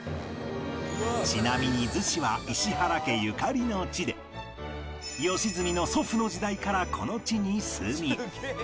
ちなみに逗子は石原家ゆかりの地で良純の祖父の時代からこの地に住み